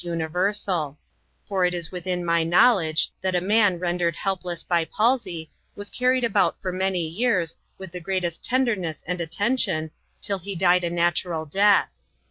12& universal; for it is within my knowledge, that a mm render ed helpless by palsy, was carried about for many years, with the greatest tenderness and attention, till he died a natural death.